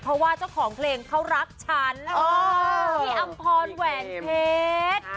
เพราะว่าเจ้าของเพลงเขารักฉันพี่อำพรแหวนเพชร